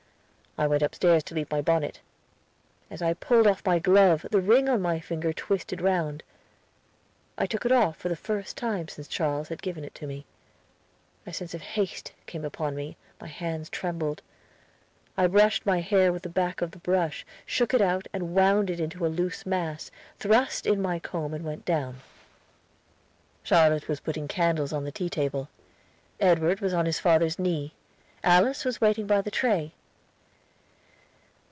I went upstairs to leave my bonnet. As I pulled off my glove the ring on my finger twisted round. I took it off, for the first time since Charles had given it to me. A sense of haste came upon me; my hands trembled. I brushed my hair with the back of the brush, shook it out, and wound it into a loose mass, thrust in my comb and went down. Charlotte was putting candles on the tea table. Edward was on his father's knee; Alice was waiting by the tray.